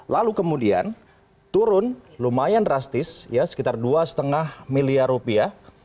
lalu kemudian turun lumayan drastis ya sekitar dua lima miliar rupiah